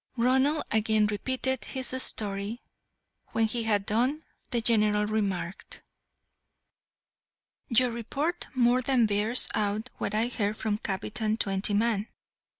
Ronald again repeated his story. When he had done, the General remarked: "Your report more than bears out what I heard from Captain Twentyman.